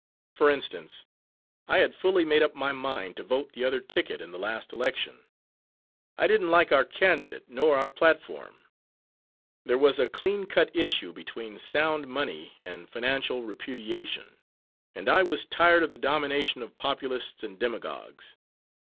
For instance, I had fully made up my mind to vote the other ticket in the last election. I didn't like our candidate nor our platform. There was a clean cut issue between sound money and financial repudiation, and I was tired of the domination of populists and demagogues.